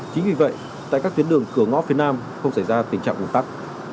chính vì vậy tại các tuyến đường cửa ngõ phía nam không xảy ra tình trạng ủng tắc